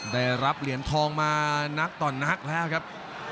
ได้รับเหรียญทองมานักต่อนักแล้วครับ